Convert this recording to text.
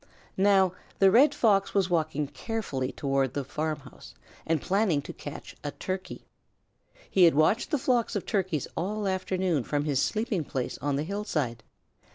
Now the Red Fox was walking carefully toward the farmhouse and planning to catch a Turkey. He had watched the flocks of Turkeys all afternoon from his sleeping place on the hillside.